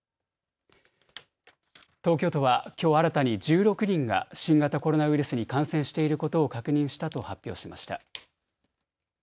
東京都はきょう新たに１６人が新型コロナウイルスに感染していることを確認したと発表しました。